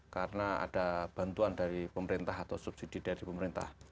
karena ada bantuan dari pemerintah atau subsidi dari pemerintah